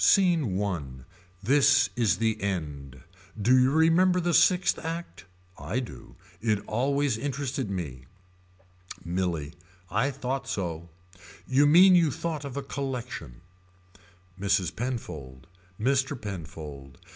SCENE I. This is the end. Do you remember the sixth act. I do. It always interested me. Milly. I thought so. You mean you thought of a collection. Mrs. Penfold. Mr. Penfold.